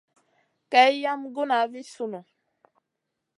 Kay yam guna vi sunù.